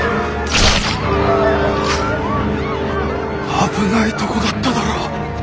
危ないとこだっただら。